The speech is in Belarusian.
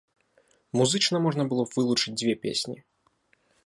Музычна можна было б вылучыць дзве песні.